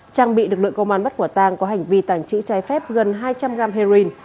trang bị lực lượng công an bắt quả tang có hành vi tàng trữ trái phép gần hai trăm linh gram heroin